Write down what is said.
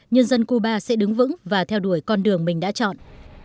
nhân dân cuba sẽ đứng vững và theo đuổi con đường mình đã chọn